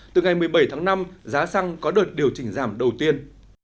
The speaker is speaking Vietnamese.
từ ngày một mươi bảy tháng năm giá xăng có đợt điều chỉnh giảm đầu tiên